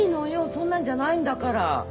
そんなんじゃないんだから。